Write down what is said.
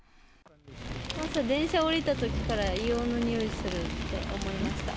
電車降りたときから、硫黄のにおいするって思いました。